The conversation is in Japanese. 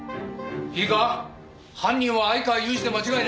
いいか犯人は相川裕治で間違いない。